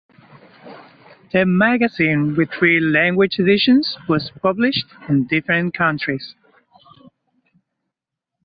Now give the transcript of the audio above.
The magazine with three language editions was published in different countries.